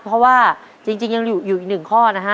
เพราะว่าจริงยังอยู่อีก๑ข้อ